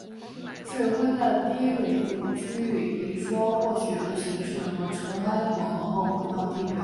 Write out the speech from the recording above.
水会在低纬度区域以霜或雪的形式和尘埃混合后回到地表。